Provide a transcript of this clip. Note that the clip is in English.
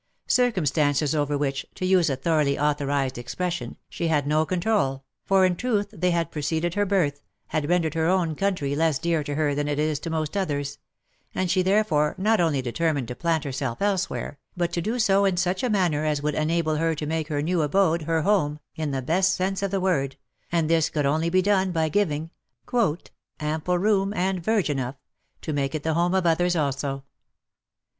Circumstances over which (to use a thoroughly authorized expression) she had no control, for in truth they had preceded her birth, had rendered her own country less dear to her than it is to most others ; and she therefore not only determined to plant herself elsewhere, but to do so in such a manner as would enable her to make her new abode her home, in the best sense of the word, and this could only.be done by giving " Ample room, and verge enough," to make it the home of others also.